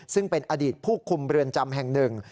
ซึ่งเป็นอดีตผู้คุมเรือนจำแห่งหนึ่ง